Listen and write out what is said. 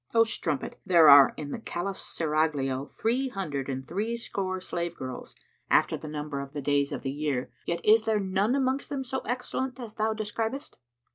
O strumpet, there are in the Caliph's Serraglio three hundred and three score slave girls, after the number of the days of the year, yet is there none amongst them so excellent as thou describest!"